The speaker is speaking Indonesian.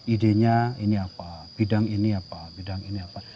idenya ini apa bidang ini apa bidang ini apa